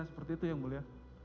seperti itu ya mulia